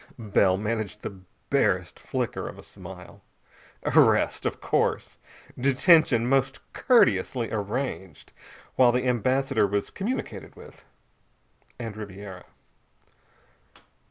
Bell managed the barest flicker of a smile. Arrest, of course. Detention, most courteously arranged, while the Ambassador was communicated with. And Ribiera.